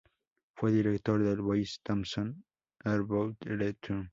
Fue director del "Boyce Thompson Arboretum".